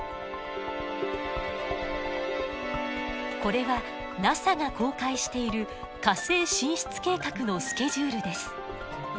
これはＮＡＳＡが公開している火星進出計画のスケジュールです。